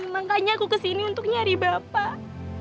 makanya aku kesini untuk nyari bapak